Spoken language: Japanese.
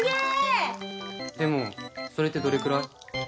でもそれってどれくらい？